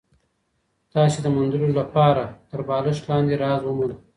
تاسي د موندلو دپاره تر بالښت لاندي راز وموند؟